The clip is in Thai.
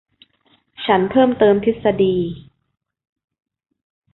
ฉันเพิ่มเติมทฤษฎี